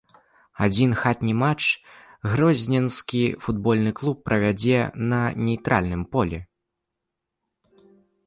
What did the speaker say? Адзін хатні матч грозненскі футбольны клуб правядзе на нейтральным полі.